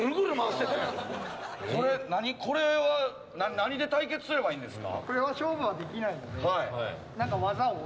これは何で対決すればいいんですか？